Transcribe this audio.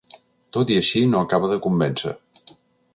Tot i així, no acaba de convèncer.